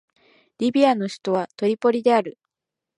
リビアの首都はトリポリである